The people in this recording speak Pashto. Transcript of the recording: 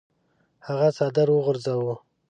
هغه څادر وغورځاوه.